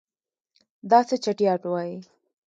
دا څه چټیات وایې.